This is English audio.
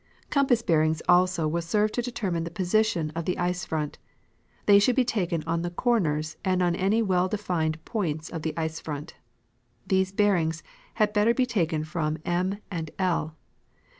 Compass bearings also will serve to determine the position of the ice front. They should be taken on the corners and on any well defined points of the ice front. These bearings had better be taken from 31 and L.